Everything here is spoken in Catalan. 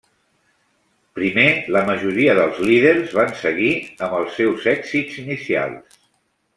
Primer, la majoria dels líders van seguir amb els seus èxits inicials.